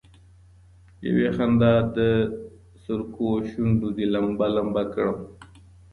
يوې خندا د سركو شونډو دي لمبه، لــمــبــه كړم